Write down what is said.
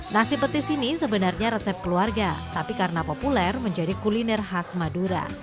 nasi petis ini sebenarnya resep keluarga tapi karena populer menjadi kuliner khas madura